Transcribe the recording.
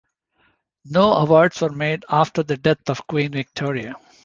No awards were made after the death of Queen Victoria.